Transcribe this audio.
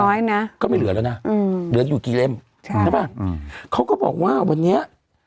น้อยนะก็ไม่เหลือแล้วนะอืมเหลืออยู่กี่เล่มใช่ใช่ป่ะอืมเขาก็บอกว่าวันนี้